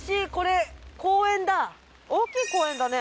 大きい公園だね。